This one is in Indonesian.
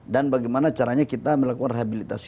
dan bagaimana caranya kita melakukan rehabilitasi